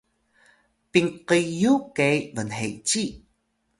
pinqiyu ke bnheci